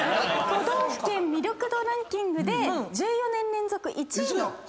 都道府県魅力度ランキングで１４年連続１位の北海道。